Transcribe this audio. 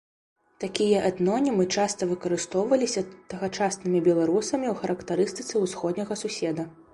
Такія этнонімы часта выкарыстоўваліся тагачаснымі беларусамі ў характарыстыцы ўсходняга суседа.